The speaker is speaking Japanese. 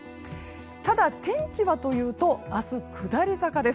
ただ天気はというと明日、下り坂です。